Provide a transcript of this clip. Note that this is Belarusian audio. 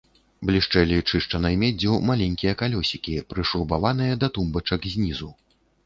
Блішчэлі чышчанай меддзю маленькія калёсікі, прышрубаваныя да тумбачак знізу.